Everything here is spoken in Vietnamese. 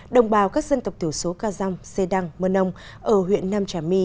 đồng bào các dân tộc thiểu số ca giang xê đăng mơ nông ở huyện nam trà my